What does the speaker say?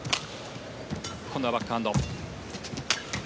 今度はバックハンド。